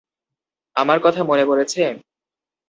আমার কথা মনে পড়েছে?